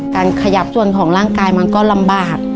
การขยับส่วนของร่างกายมันก็ลำบาก